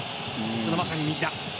そのまさに右だ。